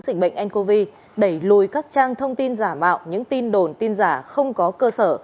dịch bệnh ncov đẩy lùi các trang thông tin giả mạo những tin đồn tin giả không có cơ sở